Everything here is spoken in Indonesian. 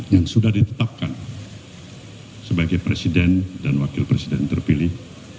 yang sudah ditetapkan sebagai presiden dan wakil presiden terpilih